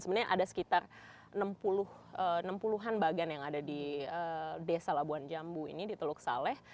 sebenarnya ada sekitar enam puluh an bagan yang ada di desa labuan jambu ini di teluk saleh